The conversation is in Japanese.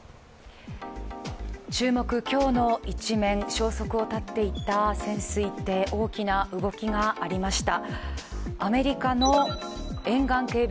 消息を絶っていた潜水艇、大きな動きがありました。